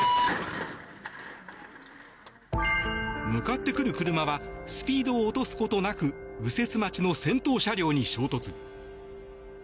向かってくる車はスピードを落とすことなく右折待ちの先頭車両に衝突。